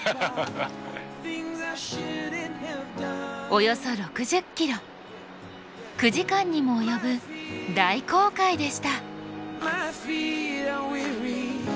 およそ６０ｋｍ９時間にも及ぶ大航海でした。